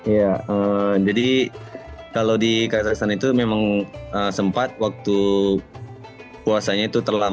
ya jadi kalau di kazahstan itu memang sempat waktu puasanya itu terlama di dunia